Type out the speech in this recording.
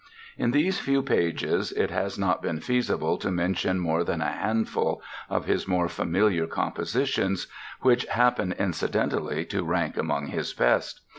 In these few pages it has not been feasible to mention more than a handful of his more familiar compositions which happen, incidentally, to rank among his best.